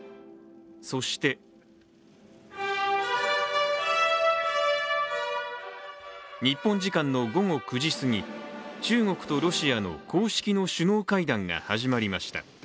そして日本時間の午後９時すぎ、中国とロシアの公式の首脳会談が始まりました。